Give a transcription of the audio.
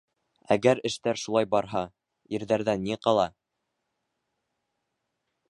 Әгәр эштәр шулай барһа, ирҙәрҙән ни ҡала?